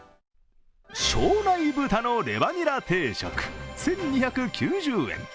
庄内豚のレバニラ定食、１２９０円。